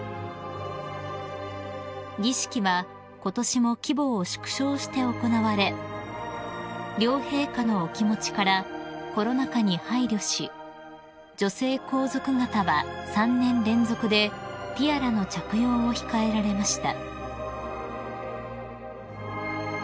［儀式はことしも規模を縮小して行われ両陛下のお気持ちからコロナ禍に配慮し女性皇族方は３年連続でティアラの着用を控えられました］